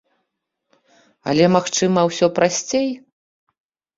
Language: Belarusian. Але, магчыма, усё прасцей?